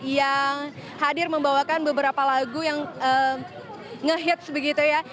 yang hadir membawakan beberapa lagu yang nge hits begitu ya